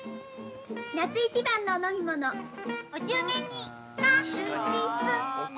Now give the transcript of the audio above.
夏一番のお飲み物、お中元にカ・ル・ピ・ス。